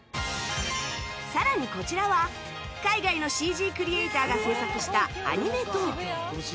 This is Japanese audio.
さらにこちらは海外の ＣＧ クリエイターが制作したアニメトーキョー